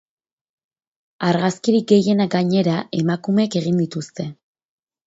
Argazkirik gehienak, gainera, emakumeek egin dituzte.